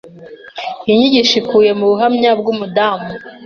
Iyi nyigisho ikubiye mu buhamya bw’umudamu